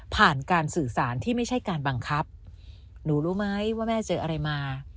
ผ่านการสื่อสารที่ไม่ใช่การบังคับหนูรู้ไหมว่าแม่เจออะไรมา